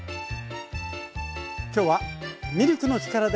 今日は「ミルクの力で！